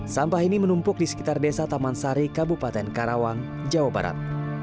sampah ini menumpuk di sekitar desa taman sari kabupaten karawang jawa barat